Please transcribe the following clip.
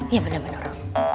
ya bener mbak nora